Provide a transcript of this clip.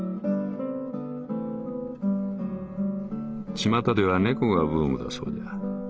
「巷では猫がブームだそうじゃ。